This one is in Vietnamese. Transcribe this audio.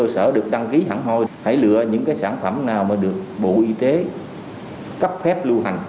sản phẩm nào mà được bộ y tế cấp phép lưu hành